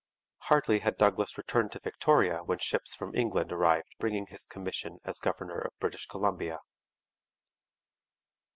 Hardly had Douglas returned to Victoria when ships from England arrived bringing his commission as governor of British Columbia.